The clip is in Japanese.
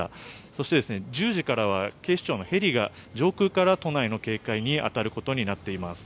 そして、１０時からは警視庁のヘリが上空から都内の警戒に当たることになっています。